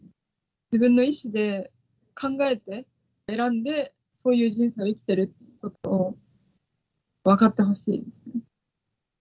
自分の意思で考えて、選んで、そういう人生を生きてるということを分かってほしい。